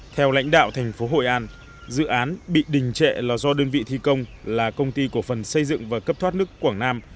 theo lãnh đạo thành phố hội an dự án bị đình trệ là do đơn vị thi công là công ty cổ phần xây dựng và cấp thoát nước quảng nam